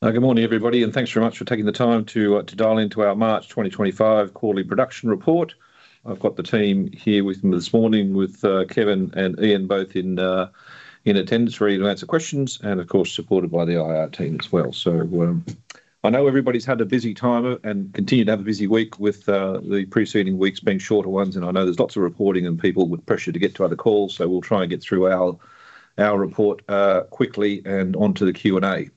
Good morning, everybody, and thanks very much for taking the time to dial into our March 2025 Quarterly Production Report. I've got the team here with me this morning, with Kevin and Ian, both in attendance ready to answer questions, and of course supported by the IR team as well. I know everybody's had a busy time and continue to have a busy week, with the preceding weeks being shorter ones. I know there's lots of reporting and people with pressure to get to other calls. We'll try and get through our report quickly and onto the Q&A.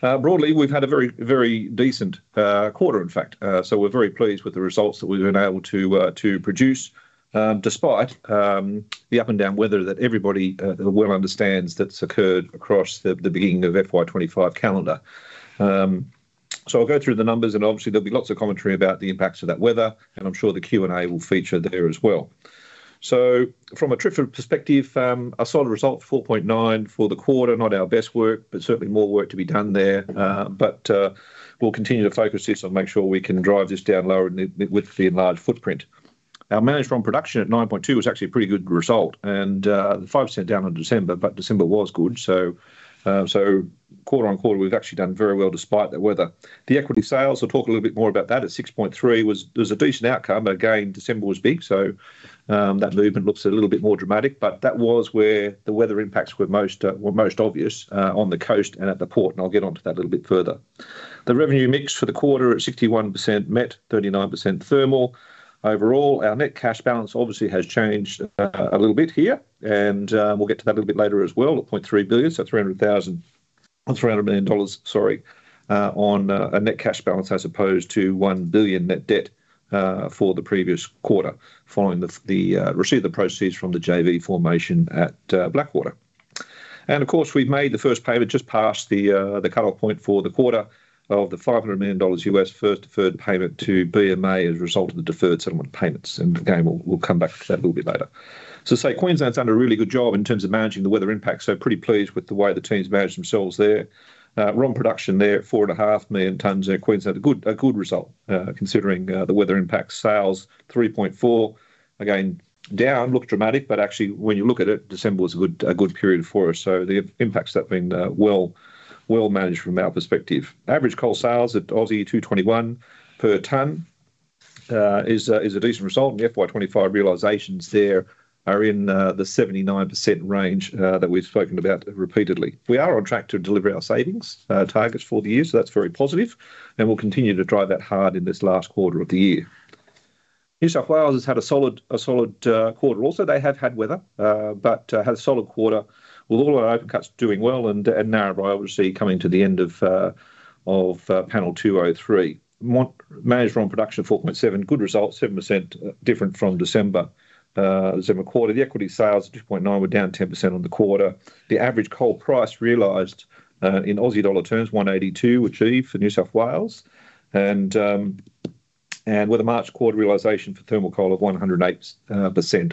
Broadly, we've had a very, very decent quarter, in fact. We're very pleased with the results that we've been able to produce, despite the up-and-down weather that everybody well understands that's occurred across the beginning of FY25 calendar. I'll go through the numbers, and obviously there'll be lots of commentary about the impacts of that weather, and I'm sure the Q&A will feature there as well. From a TRIF perspective, a solid result, 4.9 for the quarter. Not our best work, but certainly more work to be done there. We'll continue to focus this and make sure we can drive this down lower with the enlarged footprint. Our Managed ROM production at 9.2 was actually a pretty good result, and the 5% down in December, but December was good. Quarter on quarter, we've actually done very well despite the weather. The equity sales, I'll talk a little bit more about that, at 6.3 was a decent outcome. Again, December was big, so that movement looks a little bit more dramatic. That was where the weather impacts were most obvious on the coast and at the port, and I'll get onto that a little bit further. The revenue mix for the quarter at 61% Met, 39% Thermal. Overall, our net cash balance obviously has changed a little bit here, and we'll get to that a little bit later as well. $0.3 billion, so $300 million, sorry, on a net cash balance as opposed to $1 billion net debt for the previous quarter, following the receipt of the proceeds from the JV formation at Blackwater. Of course, we've made the first payment just past the cutoff point for the quarter of the $500 million US first deferred payment to BMA as a result of the deferred settlement of payments. Again, we'll come back to that a little bit later. I'd say Queensland's done a really good job in terms of managing the weather impacts. Pretty pleased with the way the teams managed themselves there. ROM production there, 4.5 million tons. Queensland had a good result considering the weather impacts. Sales 3.4. Again, down, looks dramatic, but actually when you look at it, December was a good period for us. The impacts have been well managed from our perspective. Average coal sales at 221 per tonne is a decent result. The FY2025 realizations there are in the 79% range that we've spoken about repeatedly. We are on track to deliver our savings targets for the year, so that's very positive. We'll continue to drive that hard in this last quarter of the year. New South Wales has had a solid quarter. Also, they have had weather, but had a solid quarter with all our open cuts doing well and Narrabri coming to the end of panel 203. Managed on production 4.7, good result, 7% different from December quarter. The equity sales at 2.9 were down 10% on the quarter. The average coal price realised in AUD terms 182 achieved for New South Wales. With a March quarter realisation for thermal coal of 108%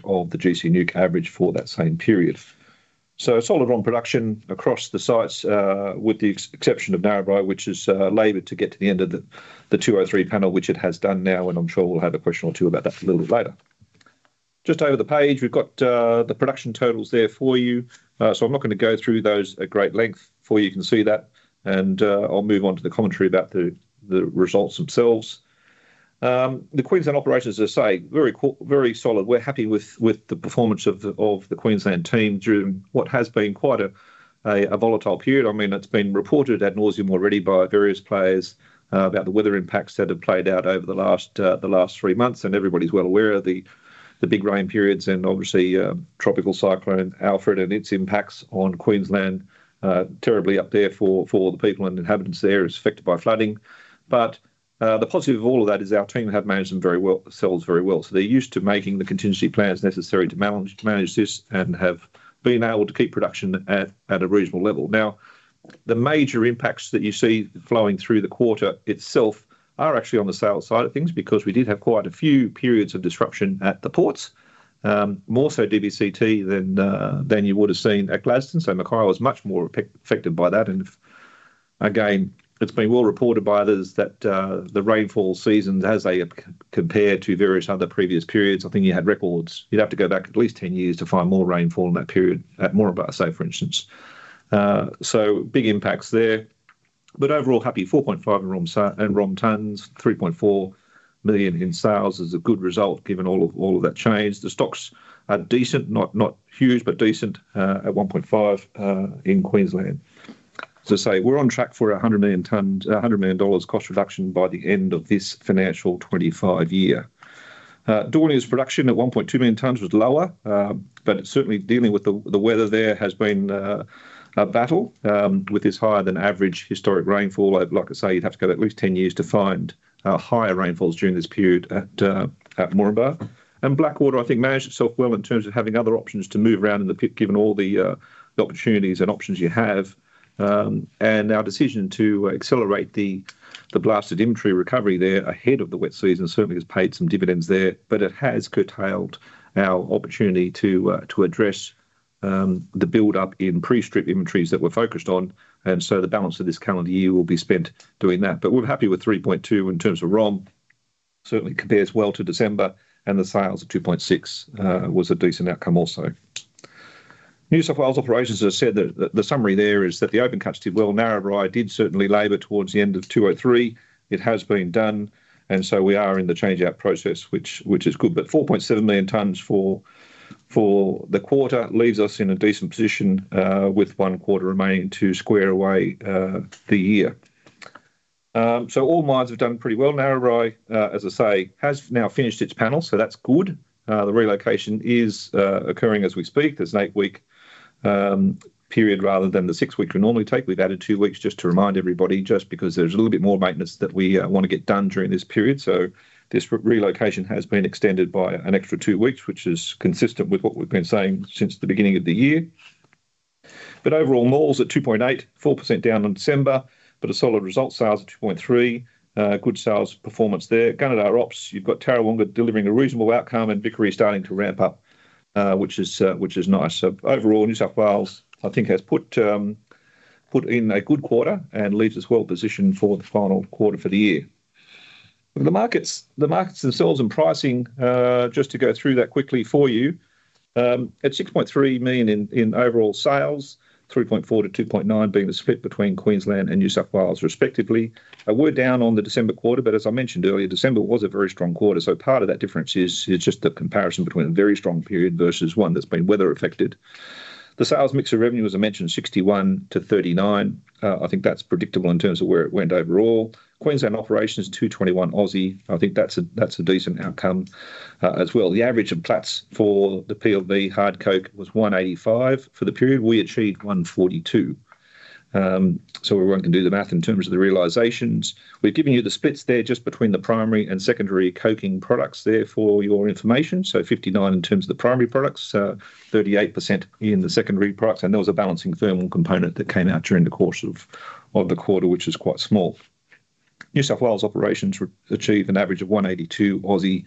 of the gC NEWC average for that same period. Solid ROM production across the sites, with the exception of Narrabri, which is labored to get to the end of the 203 panel, which it has done now. I'm sure we'll have a question or two about that a little bit later. Just over the page, we've got the production totals there for you. I'm not going to go through those at great length for you. You can see that. I'll move on to the commentary about the results themselves. The Queensland operators are saying very solid. We're happy with the performance of the Queensland team during what has been quite a volatile period. I mean, it's been reported ad nauseam already by various players about the weather impacts that have played out over the last three months. Everybody's well aware of the big rain periods and obviously Tropical Cyclone Alfred and its impacts on Queensland. Terribly up there for the people and inhabitants there is affected by flooding. The positive of all of that is our team have managed them very well, sells very well. They're used to making the contingency plans necessary to manage this and have been able to keep production at a regional level. Now, the major impacts that you see flowing through the quarter itself are actually on the sales side of things because we did have quite a few periods of disruption at the ports, more so DBCT than you would have seen at Gladstone. Mackay was much more affected by that. It's been well reported by others that the rainfall season has a compare to various other previous periods. I think you had records, you'd have to go back at least 10 years to find more rainfall in that period, at Moranbah say for instance. Big impacts there. Overall happy, 4.5 million ROM tonnes, 3.4 million in sales is a good result given all of that change. The stocks are decent, not huge, but decent at 1.5 million in Queensland. We're on track for $100 million cost reduction by the end of this financial 2025 year. Daunia's production at 1.2 million tonnes was lower, but certainly dealing with the weather there has been a battle with this higher than average historic rainfall. Like I say, you'd have to go at least 10 years to find higher rainfalls during this period at Moranbah. Blackwater, I think, managed itself well in terms of having other options to move around in the pit, given all the opportunities and options you have. Our decision to accelerate the blasted inventory recovery there ahead of the wet season certainly has paid some dividends there, but it has curtailed our opportunity to address the build-up in pre-strip inventories that we're focused on. The balance of this calendar year will be spent doing that. We're happy with 3.2 in terms of ROM. Certainly compares well to December, and the sales of 2.6 was a decent outcome also. New South Wales operations have said that the summary there is that the open cuts did well. Narrabri did certainly labour towards the end of 2023. It has been done. We are in the change-out process, which is good. 4.7 million tonnes for the quarter leaves us in a decent position with one quarter remaining to square away the year. All mines have done pretty well. Narrabri, as I say, has now finished its panel, so that's good. The relocation is occurring as we speak. There's an eight-week period rather than the six-week we normally take. We've added two weeks just to remind everybody, just because there's a little bit more maintenance that we want to get done during this period. This relocation has been extended by an extra two weeks, which is consistent with what we've been saying since the beginning of the year. Overall, Maules at 2.8, 4% down in December, but a solid result. Sales at 2.3, good sales performance there. Gunnedah ops. You've got Tarrawonga delivering a reasonable outcome and Vickery starting to ramp up, which is nice. Overall, New South Wales, I think, has put in a good quarter and leaves us well positioned for the final quarter for the year. The markets themselves and pricing, just to go through that quickly for you, at 6.3 million in overall sales, 3.4 to 2.9 being the split between Queensland and New South Wales respectively. We're down on the December quarter, but as I mentioned earlier, December was a very strong quarter. Part of that difference is just the comparison between a very strong period versus one that's been weather affected. The sales mix of revenue, as I mentioned, 61% to 39%. I think that's predictable in terms of where it went overall. Queensland operations, 221. I think that's a decent outcome as well. The average of Platts for the PLV hard coke was 185 for the period. We achieved 142. Everyone can do the math in terms of the realisations. We've given you the splits there just between the primary and secondary coking products there for your information. 59% in terms of the primary products, 38% in the secondary products. There was a balancing thermal component that came out during the course of the quarter, which was quite small. New South Wales operations achieved an average of 182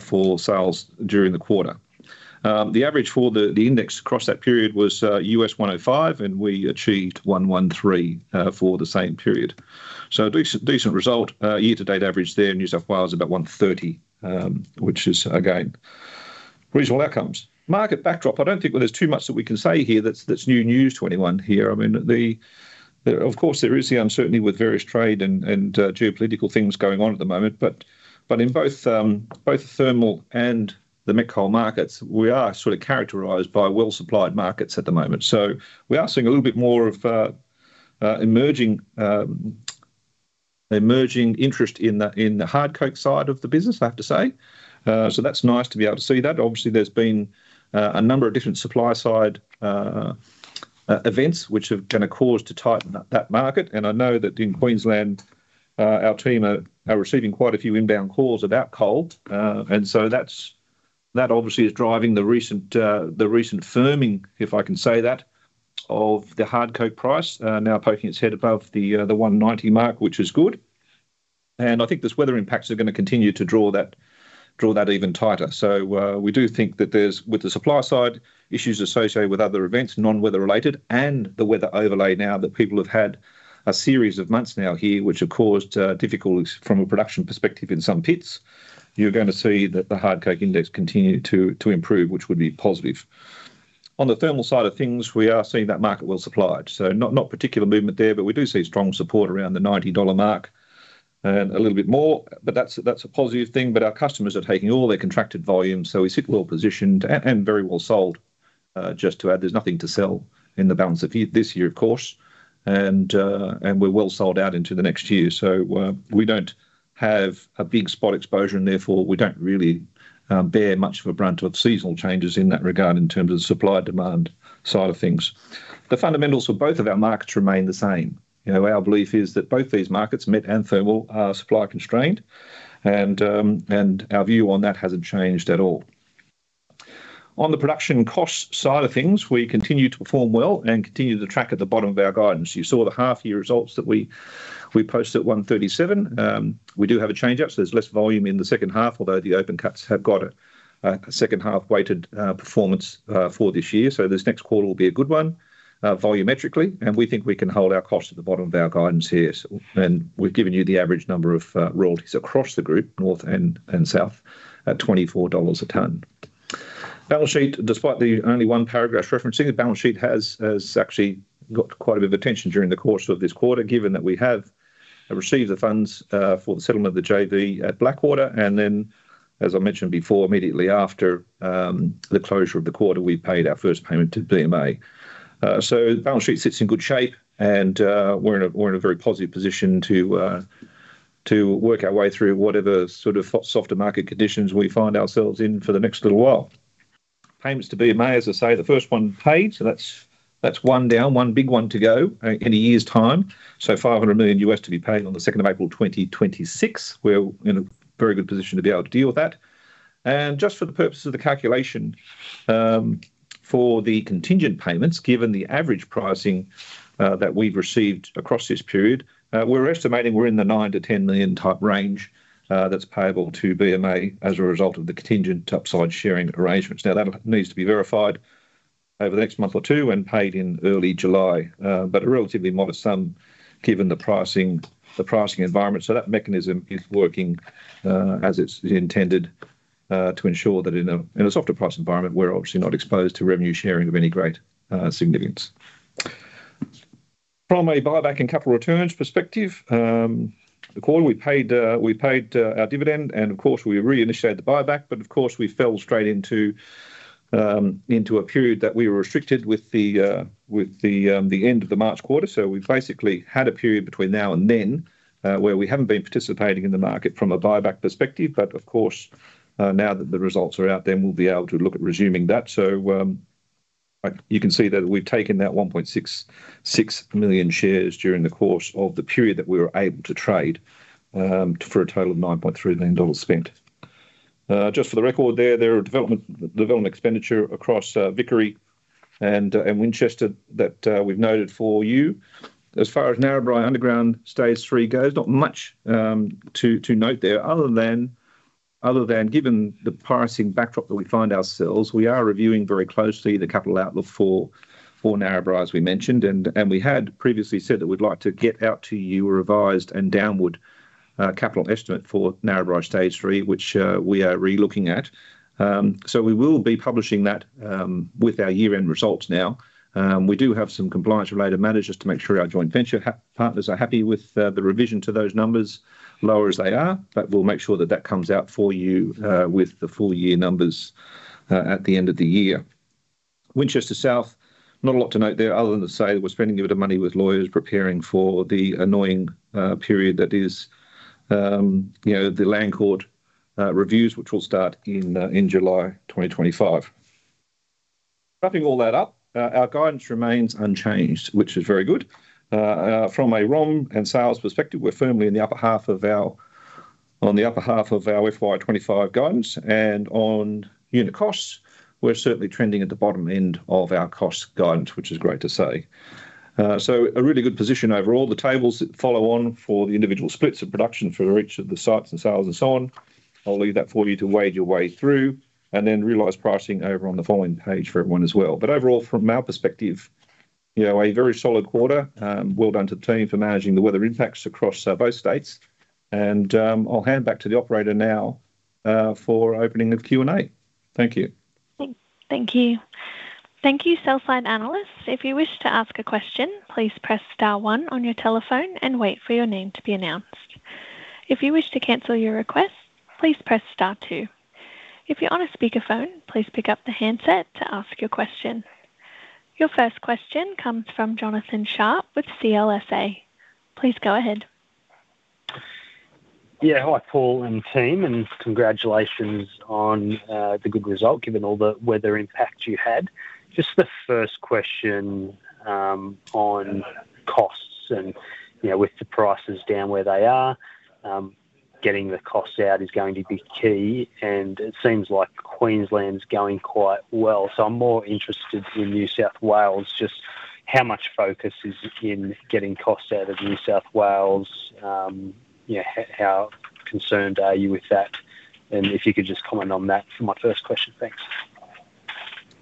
for sales during the quarter. The average for the index across that period was $105, and we achieved $113 for the same period. Decent result. Year-to-date average there, New South Wales about $130, which is again reasonable outcomes. Market backdrop, I do not think there is too much that we can say here that is new news to anyone here. I mean, of course, there is the uncertainty with various trade and geopolitical things going on at the moment. In both thermal and the met coal markets, we are sort of characterised by well-supplied markets at the moment. We are seeing a little bit more of emerging interest in the hard coke side of the business, I have to say. That is nice to be able to see that. Obviously, there have been a number of different supply side events which have kind of caused to tighten that market. I know that in Queensland, our team are receiving quite a few inbound calls about coal. That obviously is driving the recent firming, if I can say that, of the hard coke price, now poking its head above the $190 mark, which is good. I think this weather impacts are going to continue to draw that even tighter. We do think that there's, with the supply side issues associated with other events, non-weather related, and the weather overlay now that people have had a series of months now here, which have caused difficulties from a production perspective in some pits, you're going to see that the hard coke index continue to improve, which would be positive. On the thermal side of things, we are seeing that market well supplied. Not particular movement there, but we do see strong support around the $90 mark and a little bit more. That's a positive thing. Our customers are taking all their contracted volumes, so we sit well positioned and very well sold. Just to add, there's nothing to sell in the balance of this year, of course. We're well sold out into the next year. We don't have a big spot exposure, and therefore we don't really bear much of a brunt of seasonal changes in that regard in terms of the supply demand side of things. The fundamentals for both of our markets remain the same. Our belief is that both these markets, met and thermal, are supply constrained, and our view on that hasn't changed at all. On the production cost side of things, we continue to perform well and continue to track at the bottom of our guidance. You saw the half-year results that we posted at $137. We do have a change-up, so there is less volume in the second half, although the open cuts have got a second-half weighted performance for this year. This next quarter will be a good one volumetrically, and we think we can hold our cost at the bottom of our guidance here. We have given you the average number of royalties across the group, north and south, at $24 a tonne. Balance sheet, despite the only one paragraph referencing, the balance sheet has actually got quite a bit of attention during the course of this quarter, given that we have received the funds for the settlement of the JV at Blackwater. As I mentioned before, immediately after the closure of the quarter, we paid our first payment to BMA. The balance sheet sits in good shape, and we're in a very positive position to work our way through whatever sort of softer market conditions we find ourselves in for the next little while. Payments to BMA, as I say, the first one paid, so that's one down, one big one to go in a year's time. $500 million US to be paid on the 2nd of April 2026. We're in a very good position to be able to deal with that. Just for the purpose of the calculation for the contingent payments, given the average pricing that we've received across this period, we're estimating we're in the $9 million-$10 million type range that's payable to BMA as a result of the contingent upside sharing arrangements. Now, that needs to be verified over the next month or two and paid in early July, but a relatively modest sum given the pricing environment. That mechanism is working as it's intended to ensure that in a softer price environment, we're obviously not exposed to revenue sharing of any great significance. From a buyback and couple returns perspective, the quarter we paid our dividend, and of course, we reinitiated the buyback, but of course, we fell straight into a period that we were restricted with the end of the March quarter. We basically had a period between now and then where we haven't been participating in the market from a buyback perspective. Now that the results are out, then we'll be able to look at resuming that. You can see that we've taken that 1.66 million shares during the course of the period that we were able to trade for a total of $9.3 million spent. Just for the record there, there are development expenditure across Vickery and Winchester that we've noted for you. As far as Narrabri Underground stage three goes, not much to note there other than given the pricing backdrop that we find ourselves, we are reviewing very closely the capital outlook for Narrabri, as we mentioned. We had previously said that we'd like to get out to you a revised and downward capital estimate for Narrabri stage three, which we are relooking at. We will be publishing that with our year-end results now. We do have some compliance-related matters just to make sure our joint venture partners are happy with the revision to those numbers, lower as they are, but we'll make sure that that comes out for you with the full year numbers at the end of the year. Winchester South, not a lot to note there other than to say that we're spending a bit of money with lawyers preparing for the annoying period that is the land court reviews, which will start in July 2025. Wrapping all that up, our guidance remains unchanged, which is very good. From a ROM and sales perspective, we're firmly in the upper half of our FY2025 guidance, and on unit costs, we're certainly trending at the bottom end of our cost guidance, which is great to say. A really good position overall. The tables that follow on for the individual splits of production for each of the sites and sales and so on, I'll leave that for you to wade your way through and then realise pricing over on the following page for everyone as well. Overall, from our perspective, a very solid quarter. Well done to the team for managing the weather impacts across both states. I'll hand back to the operator now for opening of Q&A. Thank you. Thank you. Thank you, Sell-side Analysts. If you wish to ask a question, please press star one on your telephone and wait for your name to be announced. If you wish to cancel your request, please press star two. If you're on a speakerphone, please pick up the handset to ask your question. Your first question comes from Jonathan Sharp with CLSA. Please go ahead. Yeah, hi, Paul and team, and congratulations on the good result given all the weather impacts you had. Just the first question on costs and with the prices down where they are, getting the costs out is going to be key. It seems like Queensland's going quite well. I am more interested in New South Wales, just how much focus is in getting costs out of New South Wales? How concerned are you with that? If you could just comment on that for my first question, thanks.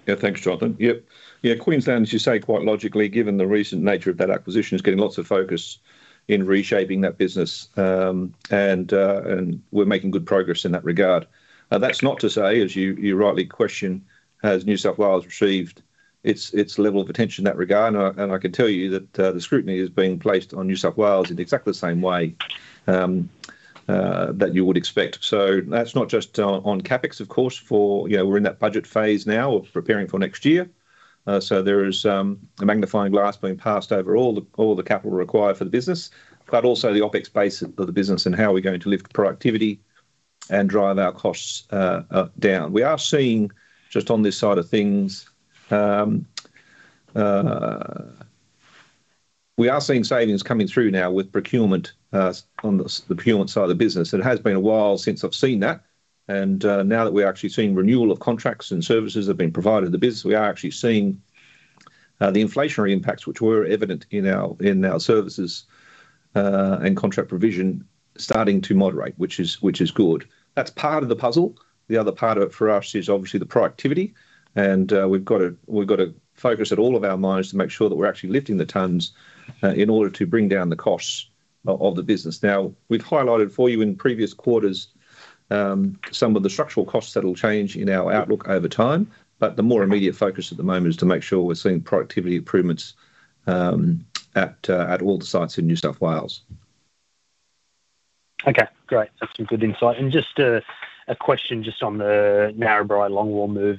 Yeah, thanks, Jonathan. Yep. Queensland, as you say, quite logically, given the recent nature of that acquisition, is getting lots of focus in reshaping that business. We are making good progress in that regard. That is not to say, as you rightly question, has New South Wales received its level of attention in that regard. I can tell you that the scrutiny is being placed on New South Wales in exactly the same way that you would expect. That is not just on CapEx, of course, for we are in that budget phase now of preparing for next year. There is a magnifying glass being passed over all the capital required for the business, but also the OpEx base of the business and how we are going to lift productivity and drive our costs down. We are seeing, just on this side of things, we are seeing savings coming through now with procurement on the procurement side of the business. It has been a while since I have seen that. Now that we're actually seeing renewal of contracts and services that have been provided to the business, we are actually seeing the inflationary impacts, which were evident in our services and contract provision, starting to moderate, which is good. That's part of the puzzle. The other part of it for us is obviously the productivity. We've got to focus at all of our mines to make sure that we're actually lifting the tons in order to bring down the costs of the business. We've highlighted for you in previous quarters some of the structural costs that will change in our outlook over time. The more immediate focus at the moment is to make sure we're seeing productivity improvements at all the sites in New South Wales. Okay, great. That's some good insight. Just a question on the Narrabri longwall move.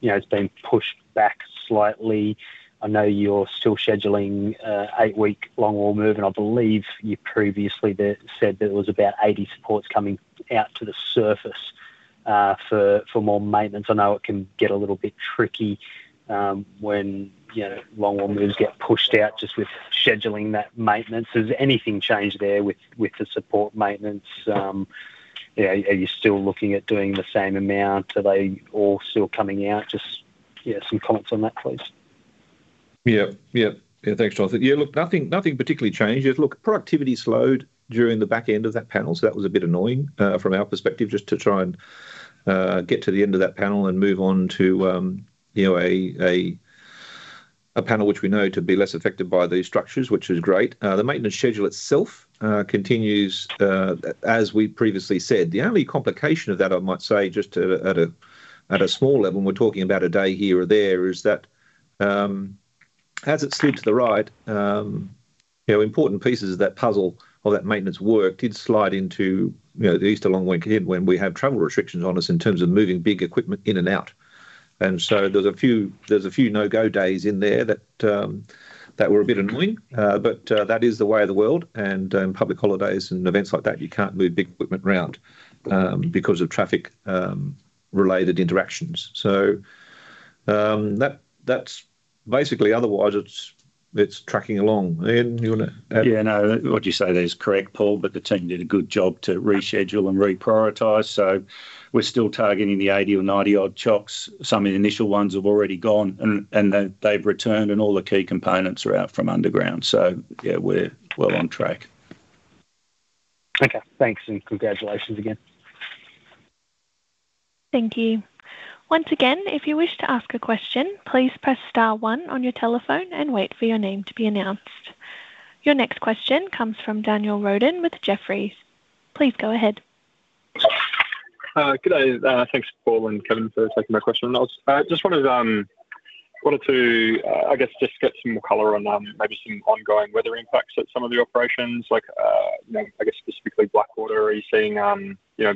It's been pushed back slightly. I know you're still scheduling eight-week longwall move. And I believe you previously said that it was about 80 supports coming out to the surface for more maintenance. I know it can get a little bit tricky when longwall moves get pushed out just with scheduling that maintenance. Has anything changed there with the support maintenance? Are you still looking at doing the same amount? Are they all still coming out? Just some comments on that, please. Yeah, yeah, yeah. Thanks, Jonathan. Yeah, look, nothing particularly changed. Look, productivity slowed during the back end of that panel. So that was a bit annoying from our perspective, just to try and get to the end of that panel and move on to a panel which we know to be less affected by these structures, which is great. The maintenance schedule itself continues, as we previously said. The only complication of that, I might say, just at a small level, when we're talking about a day here or there, is that as it slid to the right, important pieces of that puzzle of that maintenance work did slide into the east along wing head when we have travel restrictions on us in terms of moving big equipment in and out. There are a few no-go days in there that were a bit annoying. That is the way of the world. Public holidays and events like that, you can't move big equipment around because of traffic-related interactions. That is basically otherwise it's tracking along. Yeah, no, what you say there is correct, Paul, but the team did a good job to reschedule and reprioritize. We are still targeting the 80 or 90-odd chocks. Some of the initial ones have already gone, and they've returned, and all the key components are out from underground. Yeah, we're well on track. Okay, thanks, and congratulations again. Thank you. Once again, if you wish to ask a question, please press star one on your telephone and wait for your name to be announced. Your next question comes from Daniel Roden with Jefferies. Please go ahead. Good day. Thanks, Paul and Kevin, for taking my question. I just wanted to, I guess, just get some more color on maybe some ongoing weather impacts at some of the operations, like specifically Blackwater. Are you seeing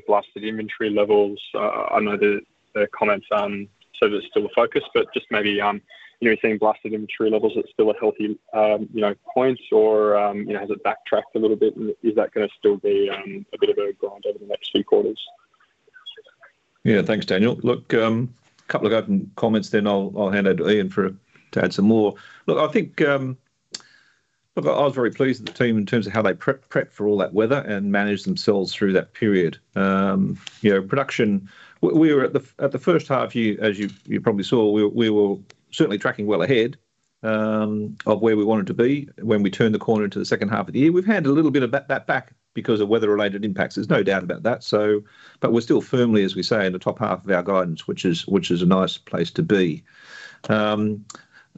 blasted inventory levels? I know the comments on that it's still a focus, but just maybe are you seeing blasted inventory levels that are still at a healthy point, or has it backtracked a little bit? Is that going to still be a bit of a grind over the next few quarters? Yeah, thanks, Daniel. Look, a couple of open comments, then I'll hand it to Ian to add some more. I was very pleased with the team in terms of how they prepped for all that weather and managed themselves through that period. Production, we were at the first half year, as you probably saw, we were certainly tracking well ahead of where we wanted to be when we turned the corner into the second half of the year. We've had a little bit of that back because of weather-related impacts. There's no doubt about that. We are still firmly, as we say, in the top half of our guidance, which is a nice place to be.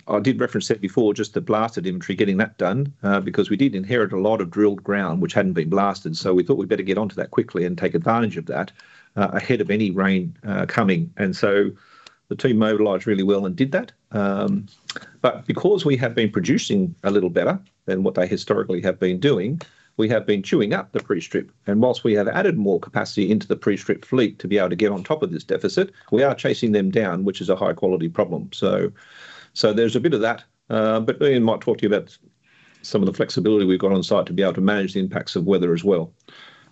I did reference that before, just the blasted inventory, getting that done, because we did inherit a lot of drilled ground which had not been blasted. We thought we had better get onto that quickly and take advantage of that ahead of any rain coming. The team mobilized really well and did that. Because we have been producing a little better than what they historically have been doing, we have been chewing up the pre-strip. Whilst we have added more capacity into the pre-strip fleet to be able to get on top of this deficit, we are chasing them down, which is a high-quality problem. There is a bit of that. Ian might talk to you about some of the flexibility we have got on site to be able to manage the impacts of weather as well.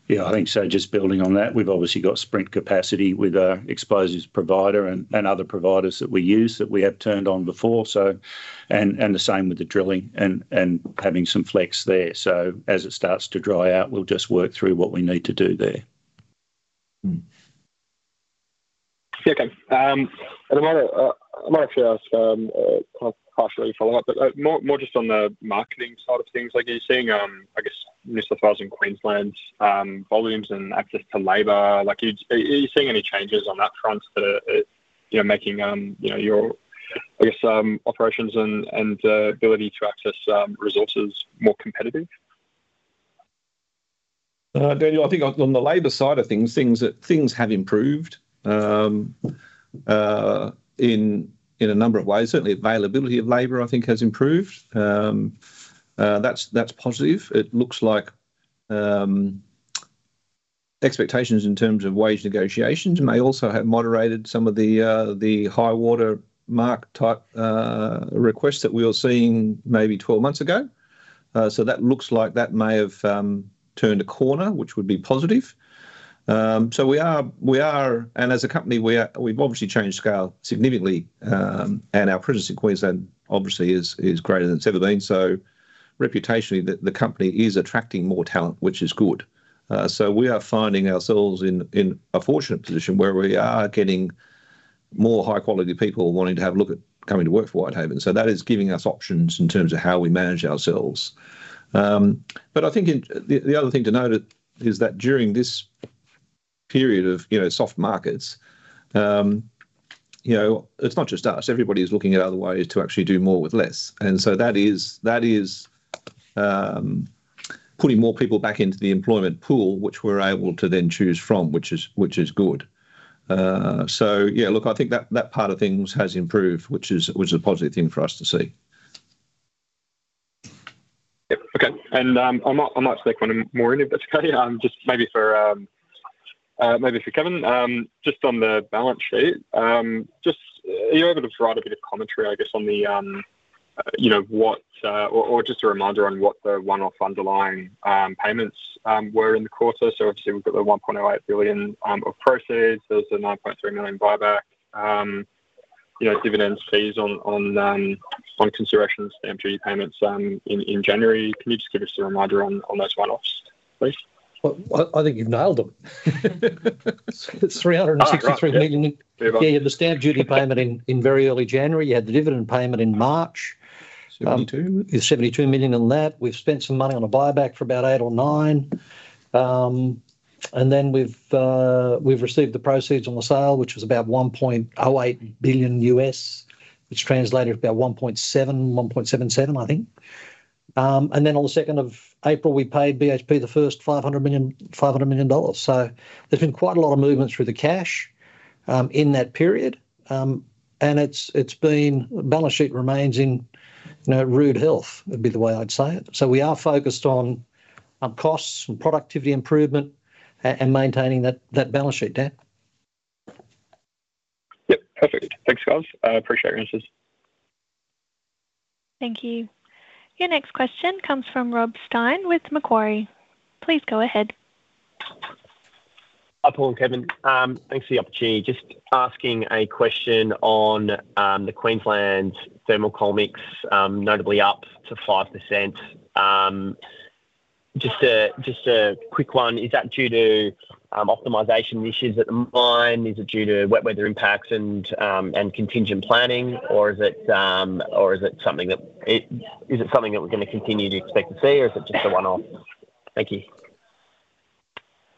Yeah, I think so. Just building on that, we've obviously got sprint capacity with our exposures provider and other providers that we use that we have turned on before. The same with the drilling and having some flex there. As it starts to dry out, we'll just work through what we need to do there. Okay. I might actually ask a partially follow-up, but more just on the marketing side of things. Are you seeing, I guess, New South Wales and Queensland volumes and access to labor? Are you seeing any changes on that front that are making your, I guess, operations and ability to access resources more competitive? Daniel, I think on the labor side of things, things have improved in a number of ways. Certainly, availability of labor, I think, has improved. That's positive. It looks like expectations in terms of wage negotiations may also have moderated some of the high-water mark type requests that we were seeing maybe 12 months ago. That looks like that may have turned a corner, which would be positive. We are, and as a company, we've obviously changed scale significantly, and our presence in Queensland obviously is greater than it's ever been. Reputationally, the company is attracting more talent, which is good. We are finding ourselves in a fortunate position where we are getting more high-quality people wanting to have a look at coming to work for Whitehaven. That is giving us options in terms of how we manage ourselves. I think the other thing to note is that during this period of soft markets, it's not just us. Everybody is looking at other ways to actually do more with less. That is putting more people back into the employment pool, which we're able to then choose from, which is good. Yeah, look, I think that part of things has improved, which is a positive thing for us to see. Okay. I might stay on a more in-depth, okay? Just maybe for Kevin, just on the balance sheet, are you able to provide a bit of commentary, I guess, on what or just a reminder on what the one-off underlying payments were in the quarter? Obviously, we've got the 1.08 billion of proceeds. There is a 9.3 million buyback. Dividend fees on considerations, MG payments in January. Can you just give us a reminder on those one-offs, please? I think you've nailed them. 363 million. Yeah, you had the stamp duty payment in very early January. You had the dividend payment in March. 72. 72 million on that. We've spent some money on a buyback for about eight or nine. We've received the proceeds on the sale, which was about $1.08 billion, which translated about 1.7, 1.77, I think. On the 2nd of April, we paid BHP the first $500 million. There has been quite a lot of movement through the cash in that period. The balance sheet remains in rude health, would be the way I'd say it. We are focused on costs and productivity improvement and maintaining that balance sheet down. Yep. Perfect. Thanks, guys. Appreciate your answers. Thank you. Your next question comes from Rob Stein with Macquarie. Please go ahead. Hi, Paul and Kevin. Thanks for the opportunity. Just asking a question on the Queensland thermocomics, notably up to 5%. Just a quick one. Is that due to optimisation issues at the mine? Is it due to wet weather impacts and contingent planning? Or is it something that we're going to continue to expect to see, or is it just a one-off? Thank you.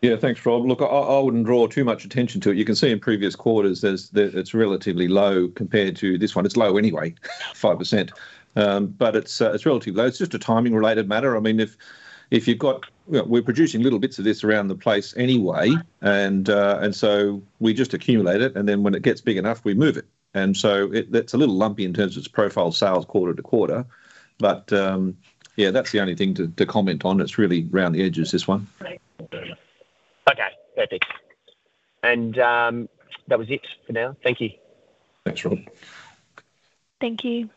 Yeah, thanks, Rob. Look, I wouldn't draw too much attention to it. You can see in previous quarters, it's relatively low compared to this one. It's low anyway, 5%. It's relatively low. It's just a timing-related matter. I mean, if you've got we're producing little bits of this around the place anyway. We just accumulate it, and then when it gets big enough, we move it. It's a little lumpy in terms of its profile sales quarter to quarter. That's the only thing to comment on. It's really around the edges, this one. Okay. Perfect. That was it for now. Thank you. Thanks, Rob. Thank you.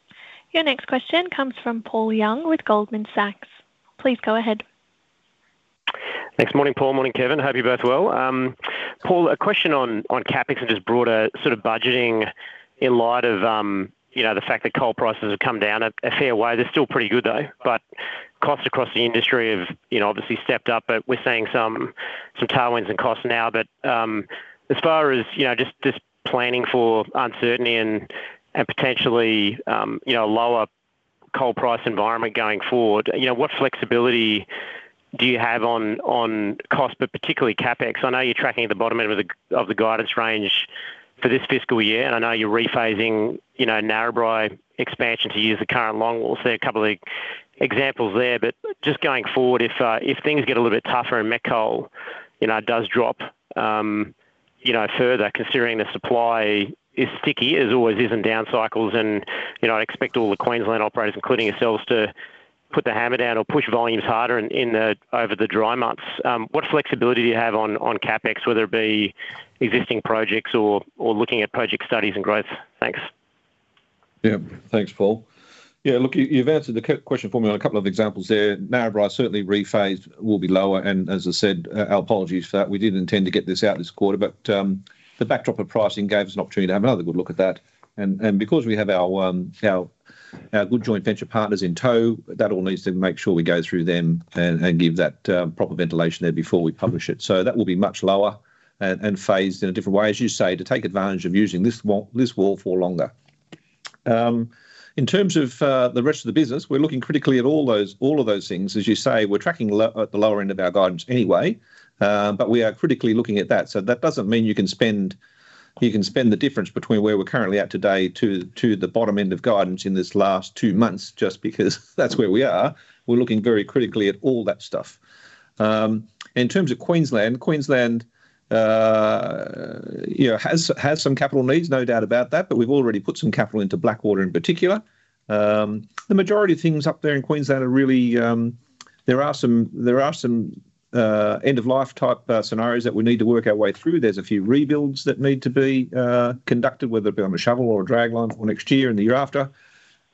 Your next question comes from Paul Young with Goldman Sachs. Please go ahead. Thanks, morning, Paul. Morning, Kevin. Hope you're both well. Paul, a question on CapEx and just broader sort of budgeting in light of the fact that coal prices have come down a fair way. They're still pretty good, though. Costs across the industry have obviously stepped up, but we're seeing some tailwinds in costs now. As far as just planning for uncertainty and potentially a lower coal price environment going forward, what flexibility do you have on costs, but particularly CapEx? I know you're tracking at the bottom end of the guidance range for this fiscal year. I know you're rephasing Narrabri expansion to use the current longwall. A couple of examples there. Just going forward, if things get a little bit tougher and Metcoal does drop further, considering the supply is sticky, as always is in down cycles, and I expect all the Queensland operators, including yourselves, to put the hammer down or push volumes harder over the dry months. What flexibility do you have on CapEx, whether it be existing projects or looking at project studies and growth? Thanks. Yeah. Thanks, Paul. Yeah, look, you've answered the question for me on a couple of examples there. Narrabri certainly rephased will be lower. As I said, our apologies for that. We did not intend to get this out this quarter, but the backdrop of pricing gave us an opportunity to have another good look at that. Because we have our good joint venture partners in tow, that all needs to make sure we go through them and give that proper ventilation there before we publish it. That will be much lower and phased in a different way, as you say, to take advantage of using this wall for longer. In terms of the rest of the business, we're looking critically at all of those things. As you say, we're tracking at the lower end of our guidance anyway, but we are critically looking at that. That doesn't mean you can spend the difference between where we're currently at today to the bottom end of guidance in this last two months just because that's where we are. We're looking very critically at all that stuff. In terms of Queensland, Queensland has some capital needs, no doubt about that, but we've already put some capital into Blackwater in particular. The majority of things up there in Queensland are really there are some end-of-life type scenarios that we need to work our way through. There's a few rebuilds that need to be conducted, whether it be on a shovel or a drag line for next year and the year after.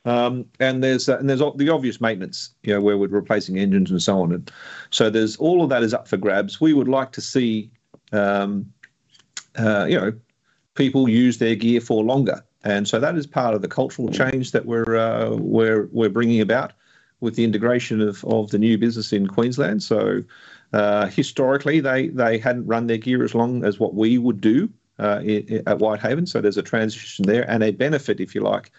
There is the obvious maintenance where we're replacing engines and so on. All of that is up for grabs. We would like to see people use their gear for longer. That is part of the cultural change that we're bringing about with the integration of the new business in Queensland. Historically, they hadn't run their gear as long as what we would do at Whitehaven. There is a transition there. A benefit, if you like,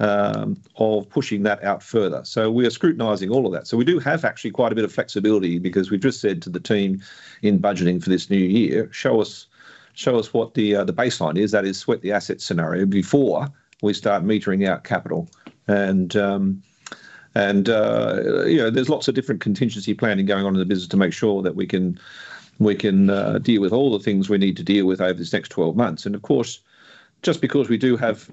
of pushing that out further. We are scrutinising all of that. We do have actually quite a bit of flexibility because we've just said to the team in budgeting for this new year, "Show us what the baseline is." That is, sweat the asset scenario before we start metering out capital. There is lots of different contingency planning going on in the business to make sure that we can deal with all the things we need to deal with over this next 12 months. Of course, just because we do have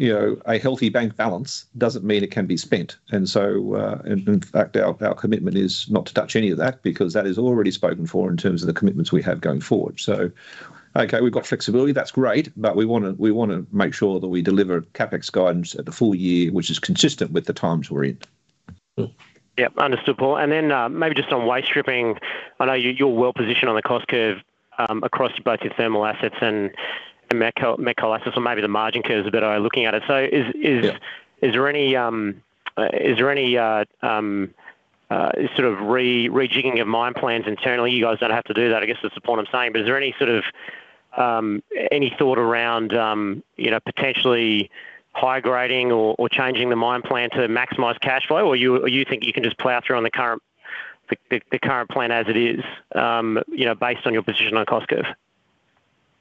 a healthy bank balance doesn't mean it can be spent. In fact, our commitment is not to touch any of that because that is already spoken for in terms of the commitments we have going forward. Okay, we've got flexibility. That's great. We want to make sure that we deliver CapEx guidance at the full year, which is consistent with the times we're in. Yep. Understood, Paul. Maybe just on waste stripping, I know you're well positioned on the cost curve across both your thermal assets and Metcoal assets, or maybe the margin curves are better looking at it. Is there any sort of rejigging of mine plans internally? You guys don't have to do that. I guess that's the point I'm saying. Is there any sort of thought around potentially high grading or changing the mine plan to maximize cash flow? Or do you think you can just plow through on the current plan as it is based on your position on cost curve?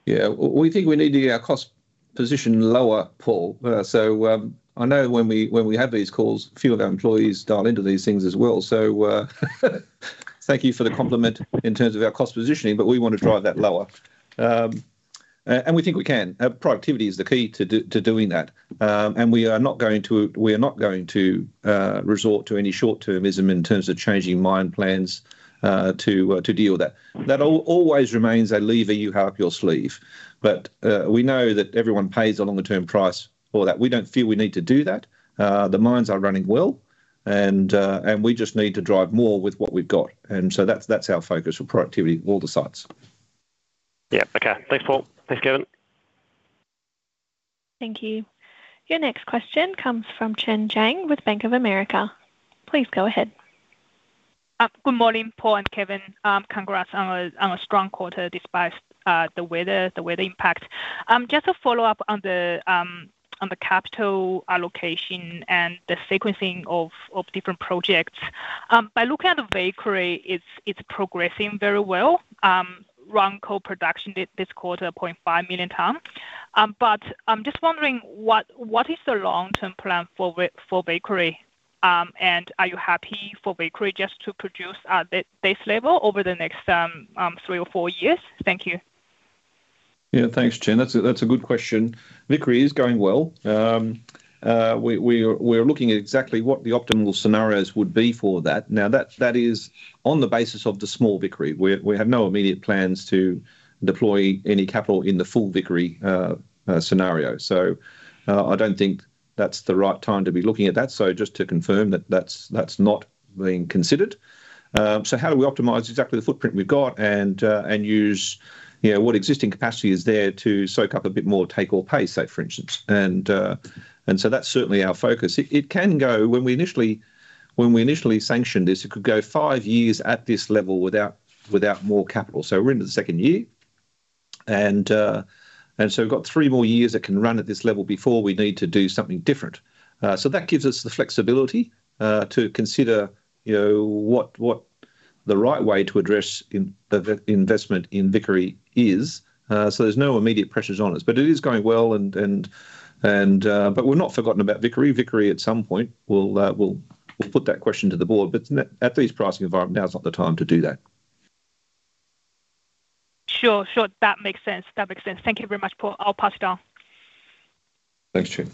Yeah. We think we need to get our cost position lower, Paul. I know when we have these calls, a few of our employees dial into these things as well. Thank you for the compliment in terms of our cost positioning, but we want to drive that lower. We think we can. Productivity is the key to doing that. We are not going to resort to any short-termism in terms of changing mine plans to deal with that. That always remains, I leave in you how up your sleeve. We know that everyone pays a longer-term price for that. We do not feel we need to do that. The mines are running well, and we just need to drive more with what we have got. That is our focus for productivity, all the sides. Yep. Okay. Thanks, Paul. Thanks, Kevin. Thank you. Your next question comes from Chen Jiang with Bank of America. Please go ahead. Good morning, Paul. I'm Kevin. Congrats on a strong quarter despite the weather impact. Just a follow-up on the capital allocation and the sequencing of different projects. By looking at Vickery, it's progressing very well. ROM coal production this quarter, 0.5 million tons. But I'm just wondering, what is the long-term plan for Vickery? And are you happy for Vickery just to produce at this level over the next three or four years? Thank you. Yeah. Thanks, Chen. That's a good question. Vickery is going well. We're looking at exactly what the optimal scenarios would be for that. Now, that is on the basis of the small Vickery. We have no immediate plans to deploy any capital in the full Vickery scenario. I don't think that's the right time to be looking at that. Just to confirm that that's not being considered. How do we optimize exactly the footprint we've got and use what existing capacity is there to soak up a bit more take or pay, say, for instance? That is certainly our focus. When we initially sanctioned this, it could go five years at this level without more capital. We are into the second year, so we've got three more years that can run at this level before we need to do something different. That gives us the flexibility to consider what the right way to address investment in Vickery is. There are no immediate pressures on us. It is going well. We've not forgotten about Vickery. Vickery, at some point, we'll put that question to the board. At these pricing environments, now is not the time to do that. Sure. Sure. That makes sense. That makes sense. Thank you very much, Paul. I'll pass it on. Thanks, Chen.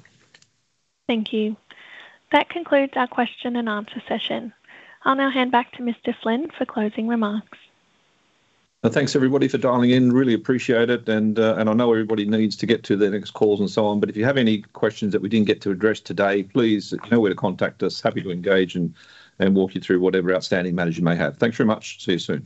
Thank you. That concludes our question and answer session. I'll now hand back to Mr. Flynn for closing remarks. Thanks, everybody, for dialing in. Really appreciate it. I know everybody needs to get to their next calls and so on. If you have any questions that we didn't get to address today, please, know where to contact us. Happy to engage and walk you through whatever outstanding management may have. Thanks very much. See you soon.